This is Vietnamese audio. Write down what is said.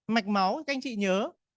mạch máu các anh chị nhớ